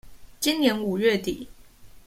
今年五月底